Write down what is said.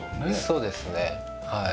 そうですねはい。